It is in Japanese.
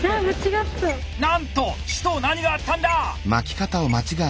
なんと紫桃何があったんだ